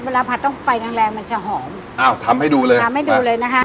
ผัดต้องไฟแรงแรงมันจะหอมอ้าวทำให้ดูเลยทำให้ดูเลยนะคะ